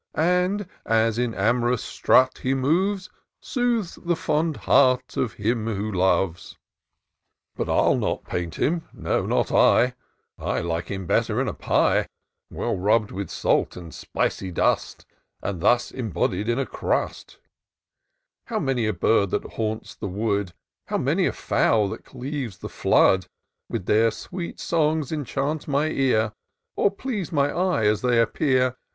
And, as in am'rous strut he moves, Soothes the fond heart of him who loves : 152 TOUR OF DOCTOR SYNTAX But I'U not paint him, no, not I — I like him better in a pie. Well rubVd with salt and spicy dust. And thus embodied in a crust* How many a bird that haunts the wood, How many a fowl that cleaves the flood. With their sweet songs enchant my ear, Or please my eye as they appear.